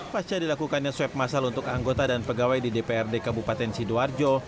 pasca dilakukannya swab masal untuk anggota dan pegawai di dprd kabupaten sidoarjo